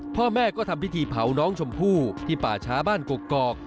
พ่อแม่ก็ทำพิธีเผาน้องชมพู่ที่ป่าช้าบ้านกกอก